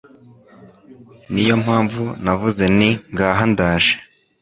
ni yo mpamvu navuze nti Ngaha ndaje